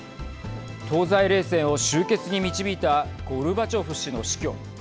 東西冷戦を終結に導いたゴルバチョフ氏の死去。